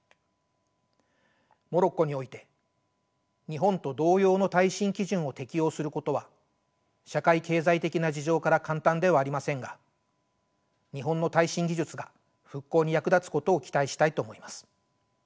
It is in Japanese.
モロッコにおいて日本と同様の耐震基準を適用することは社会経済的な事情から簡単ではありませんが日本の耐震技術が復興に役立つことを期待したいと思います。